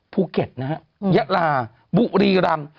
ภูเก็ตยะลาบุรีรำ